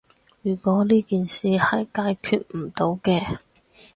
如果呢件事係解決唔到嘅